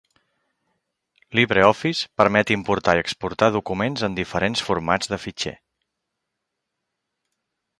LibreOffice permet importar i exportar documents en diferents formats de fitxer.